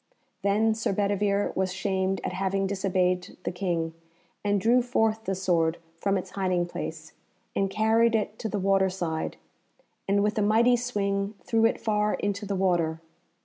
Then Sir Bedivere was shamed at having disobeyed the King, and drew forth the sword from its hiding place, and carried it to the water side, and with a mighty swing threw it far into the water.